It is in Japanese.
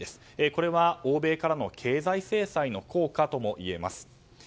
これは欧米からの経済制裁の効果ともいえます。